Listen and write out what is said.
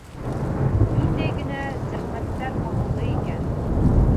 Ниндәй генә зәхмәттәр ҡағылды икән?